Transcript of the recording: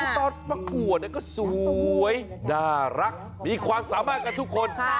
ตอนประกวดก็สวยน่ารักมีความสามารถกันทุกคน